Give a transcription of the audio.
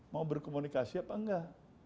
mau berkomunikasi apa enggak